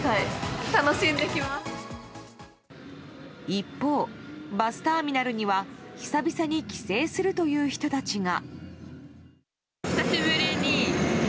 一方、バスターミナルには久々に帰省するという人たちが。